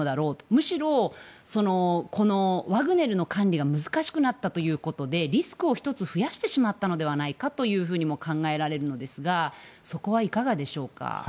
むしろ、このワグネルの管理が難しくなったということでリスクを１つ増やしてしまったのではないかとも考えられるのですがそこはいかがですか？